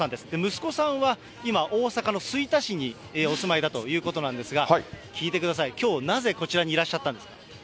息子さんは今、大阪の吹田市にお住まいだということなんですが、聞いてください、きょうなぜこちらにいらっしゃったんですか？